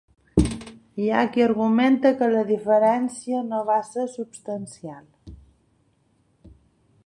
Hi ha qui argumenta que la diferència no va ser substancial.